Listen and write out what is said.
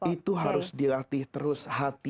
itu harus dilatih terus hati